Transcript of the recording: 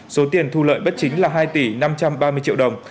số tiền thu lợi bất chính là hai tỷ năm trăm ba mươi triệu đồng